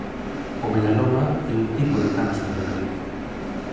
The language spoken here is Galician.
O melanoma é un tipo de cáncer de pel.